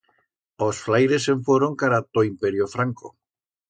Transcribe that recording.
Os flaires se'n fuoron cara t'o Imperio franco.